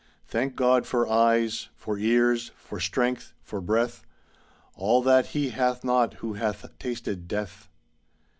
"Thank God for eyes, for ears, for strength, for breath, All that he hath not who hath tasted death."